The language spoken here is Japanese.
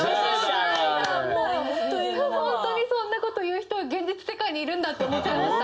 ホントにそんな事を言う人が現実世界にいるんだって思っちゃいました。